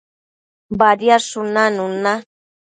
Badiadshun nanun na